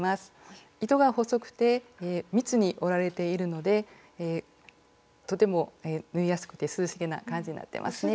糸が細くて密に織られているのでとても縫いやすくて涼しげな感じになってますね。